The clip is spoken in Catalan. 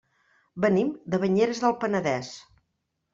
Venim de Banyeres del Penedès.